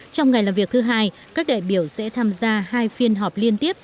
trong ngày làm việc thứ hai các đại biểu sẽ tham gia hai phiên họp liên tiếp